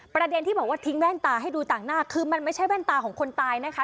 ประเด็นที่บอกว่าทิ้งแว่นตาให้ดูต่างหน้าคือมันไม่ใช่แว่นตาของคนตายนะคะ